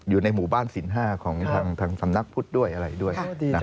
อยู่ในหมู่บ้านสิน๕ของทางสำนักพุทธด้วยอะไรด้วย